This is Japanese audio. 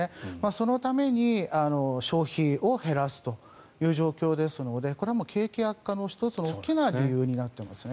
そのために消費を減らすという状況ですのでこれは景気悪化の１つの大きな理由になっていますね。